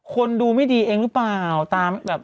คนดูไม่ดีเองหรือเปล่า